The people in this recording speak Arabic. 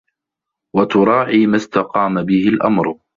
وَتُرَاعِي مَا اسْتَقَامَ بِهِ الْأَمْرُ